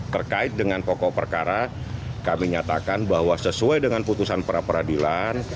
terkait dengan pokok perkara kami nyatakan bahwa sesuai dengan putusan pra peradilan